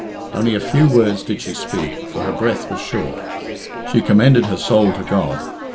Only a few words did she speak, for her breath was short. She commended her soul to God.